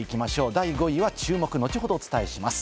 第５位は注目、後ほどお伝えします。